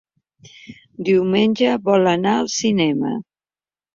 Diumenge vol anar al cinema.